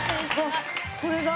これが？